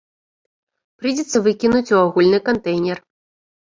Прыйдзецца выкінуць у агульны кантэйнер.